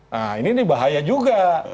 nah ini bahaya juga